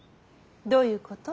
どういうこと？